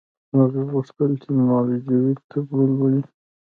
هغې غوښتل چې معالجوي طب ولولي